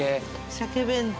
鮭弁当。